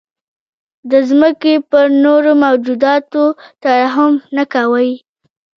د ځمکې په نورو موجوداتو ترحم نه کوئ.